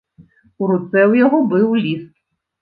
У руцэ ў яго быў ліст.